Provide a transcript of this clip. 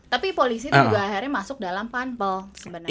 tapi polisi tuh akhirnya masuk dalam panpel sebenernya